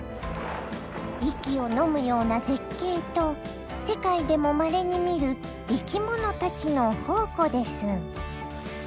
息をのむような絶景と世界でもまれに見る生き物たちの宝庫です。